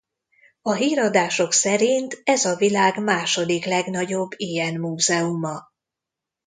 A híradások szerint ez a világ második legnagyobb ilyen múzeuma.